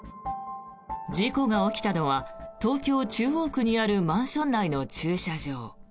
事故が起きたのは東京・中央区にあるマンション内の駐車場。